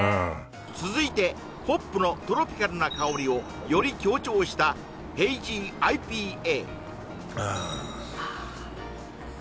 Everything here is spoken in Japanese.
続いてホップのトロピカルな香りをより強調したヘイジーＩＰＡああああ